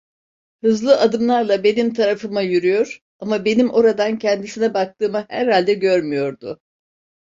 Hızlı adımlarla benim tarafıma yürüyor, ama benim oradan kendisine baktığımı herhalde görmüyordu.